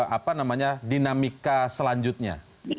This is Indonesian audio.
apa namanya dinamika selanjutnya